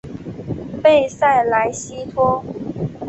贝塞莱西托。